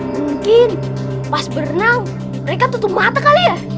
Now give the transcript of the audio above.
mungkin pas berenang mereka tutup mata kali ya